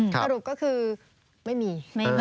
สรุปก็คือไม่มี